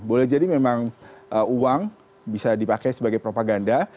boleh jadi memang uang bisa dipakai sebagai propaganda